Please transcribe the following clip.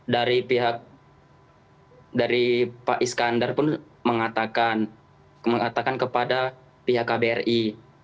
dari pihak dari pak iskandar pun mengatakan kepada pihak kbri